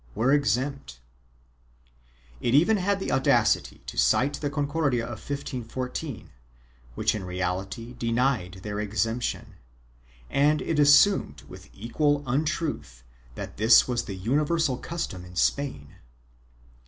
382 PRIVILEGES AND EXEMPTIONS [BOOK II It even had the audacity to cite the Concordia of 1514, which in reality denied their exemption, and it assumed with equal untruth that this was the universal custom in Spain.